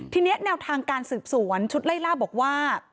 ทีนี้แนวทางการสืบสวนชุดไล่ล่าบอกว่า